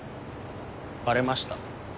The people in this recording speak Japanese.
バレました？